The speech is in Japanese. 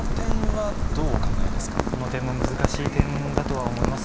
この点も難しい点だとは思います。